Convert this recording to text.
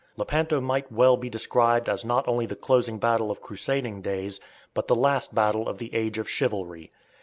Lepanto might well be described as not only the closing battle of crusading days, but the last battle of the age of chivalry.